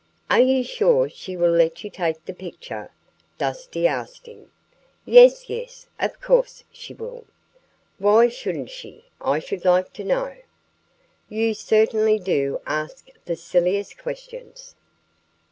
"Are you sure she will let you take the picture?" Dusty asked him. "Yes! yes! Of course she will! Why shouldn't she, I should like to know? You certainly do ask the silliest questions!"